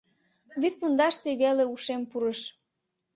Вӱд пундаште веле ушем пурыш.